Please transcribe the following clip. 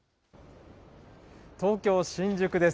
東京・新宿です。